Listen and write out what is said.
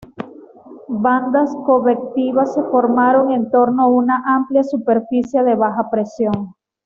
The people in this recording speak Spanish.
Bandas convectivas se formaron en torno a una amplia superficie de baja presión.